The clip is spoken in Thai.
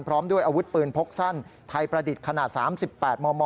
พร้อมด้วยอาวุธปืนพกสั้นไทยประดิษฐ์ขนาด๓๘มม